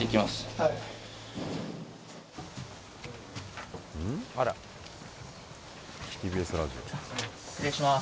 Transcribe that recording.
はい失礼します